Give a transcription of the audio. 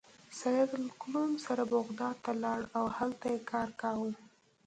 سید له کلوم سره بغداد ته لاړ او هلته یې کار کاوه.